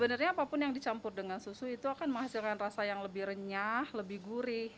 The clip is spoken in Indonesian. dan yang dicampur dengan susu itu akan menghasilkan rasa yang lebih renyah lebih gurih